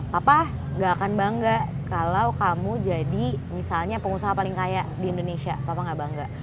papa gak akan bangga kalau kamu jadi misalnya pengusaha paling kaya di indonesia papa gak bangga